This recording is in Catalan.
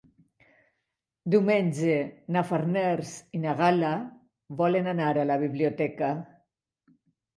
Diumenge na Farners i na Gal·la volen anar a la biblioteca.